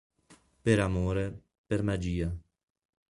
Per amore... per magia...